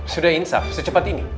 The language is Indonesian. sudah insaf secepat ini